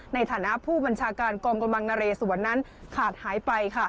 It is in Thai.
ในฐานะผู้บัญชาการกองกำลังนเรสวนนั้นขาดหายไป